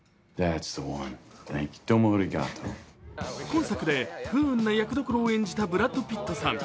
今作で、不運な役どころを演じたブラッド・ピットさん。